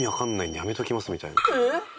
えっ？